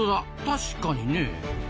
確かにねえ。